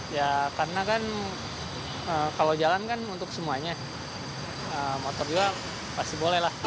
ya karena kan kalau jalan kan untuk semuanya motor juga pasti boleh lah